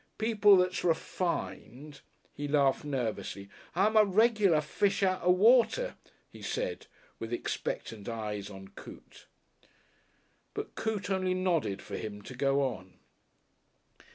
People that's refined." He laughed nervously. "I'm a regular fish out of water," he said, with expectant eyes on Coote. But Coote only nodded for him to go on.